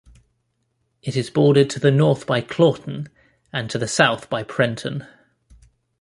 It is bordered to the north by Claughton and to the south by Prenton.